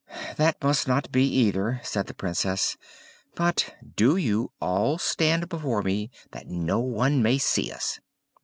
"That must not be, either!" said the Princess. "But do you all stand before me that no one may see us."